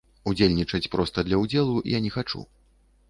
Удзельнічаць проста для ўдзелу я не хачу.